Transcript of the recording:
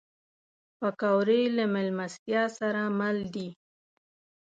پکورې له میلمستیا سره مل دي